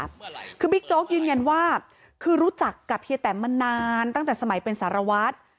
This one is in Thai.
คือบิ๊กโจ๊กยืนยันว่าคือรู้จักกับเฮียแตมมานานตั้งแต่สมัยเป็นสารวัตร